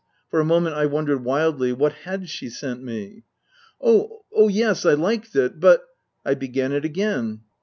For a moment I wondered wildly what had she sent me ?" Oh, yes. I liked it. But " I began it again.